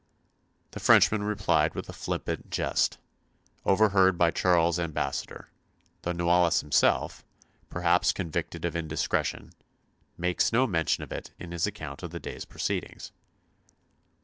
The Frenchman replied with a flippant jest, overheard by Charles's ambassador, though Noailles himself, perhaps convicted of indiscretion, makes no mention of it in his account of the day's proceedings.